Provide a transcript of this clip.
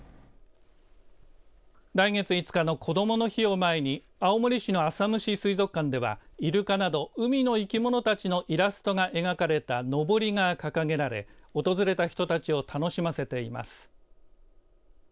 来月５日のこどもの日を前に青森市の浅虫水族館ではイルカなど海の生き物たちのイラストが描かれたのぼりが掲げられ訪れた人たちを楽しませています。